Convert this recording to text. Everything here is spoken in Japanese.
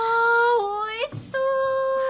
おいしそう！